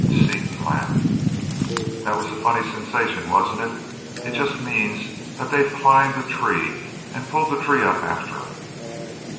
Seaton laughed. "That was a funny sensation, wasn't it? It just means that they've climbed a tree and pulled the tree up after them."